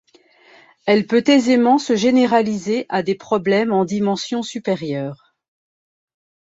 Elle peut aisément se généraliser à des problèmes en dimensions supérieures.